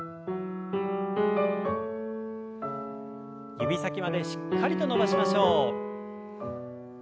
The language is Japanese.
指先までしっかりと伸ばしましょう。